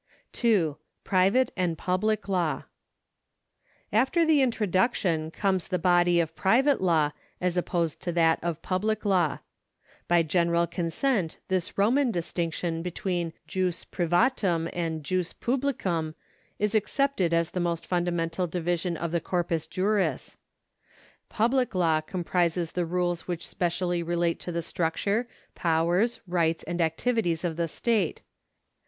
2. Private and Public Law. After the Introduction comes the body of Private Law as opposed to that of Public Law. By general consent this Roman distinction between jus privatum and jas publicum is accepted as the most fundamental division of the corpus juris. PubUc law comprises the rules which specially relate to the structure, powers, rights, and activities of the state.